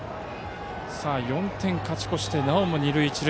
４点勝ち越してなおも二塁一塁。